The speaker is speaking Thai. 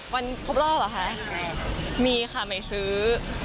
วันพบรอบเหรอค่ะมีค่ะใหม่ซื้อ